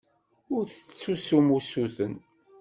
Ur d-tettessum usuten.